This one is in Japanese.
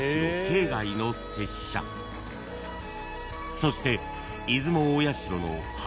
［そして］